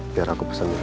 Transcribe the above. biar aku pesan dulu ma